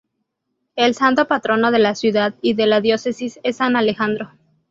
El santo patrono de la ciudad y de la diócesis es san Alejandro.